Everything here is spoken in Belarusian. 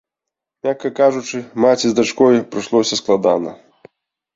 Мякка кажучы, маці з дачкой прыйшлося складана.